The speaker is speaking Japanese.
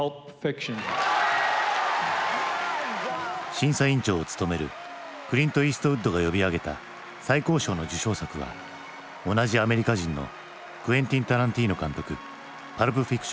審査委員長を務めるクリント・イーストウッドが呼び上げた最高賞の受賞作は同じアメリカ人のクエンティン・タランティーノ監督「パルプ・フィクション」。